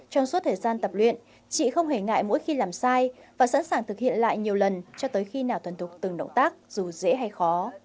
trong suốt thời gian tập luyện chị không hề ngại mỗi khi làm sai và sẵn sàng thực hiện lại nhiều lần cho tới khi nào thuần thục từng động tác dù dễ hay khó